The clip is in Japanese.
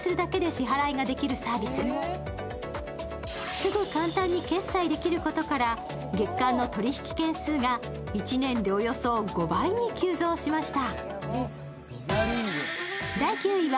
すぐ簡単に決済できることから月間の取引件数が１年でおよそ５倍に急増しました。